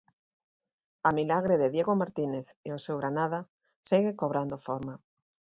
A milagre de Diego Martínez e o seu Granada segue cobrando forma.